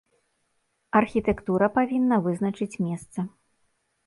Архітэктура павінна вызначыць месца.